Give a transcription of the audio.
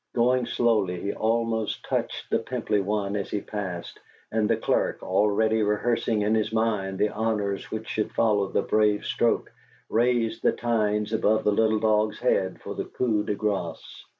Going slowly, he almost touched the pimply one as he passed, and the clerk, already rehearsing in his mind the honors which should follow the brave stroke, raised the tines above the little dog's head for the coup de grace.